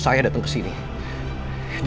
yang selalu kirim kirim gitu